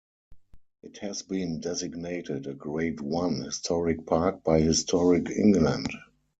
It has been designated a Grade One Historic Park by Historic England.